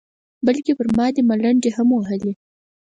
بلکې پر ما دې ملنډې هم وهلې.